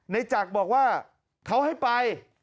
ในจากบอกว่าเขาให้ไป